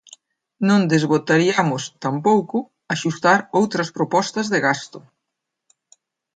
Non desbotariamos, tampouco, axustar outras propostas de gasto.